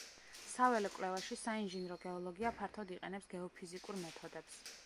საველე კვლევაში საინჟინრო გეოლოგია ფართოდ იყენებს გეოფიზიკურ მეთოდებს.